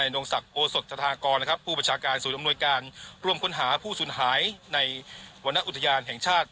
เองนะครับในนกฤษภพธคสดทากรสดอำนวยการร่วมค้นหาผู้สนหายในวรรณอุตยานแห่งชาติ